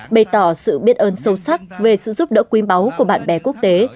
bày tỏ sự biết ơn sâu sắc về sự giúp đỡ quy máu của bạn bè quốc tế